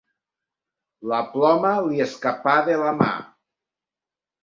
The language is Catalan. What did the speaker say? La ploma li escapà de la mà.